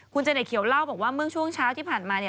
คุณเจเนเขียวเล่าบอกว่าเมื่อช่วงเช้าที่ผ่านมา